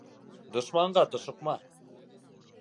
Дошманға тошоҡма